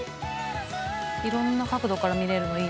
「色んな角度から見れるのいいな」